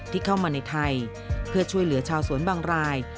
ที่เข้ามาในไทยเพื่อช่วยเหลือชาวสวนบางราย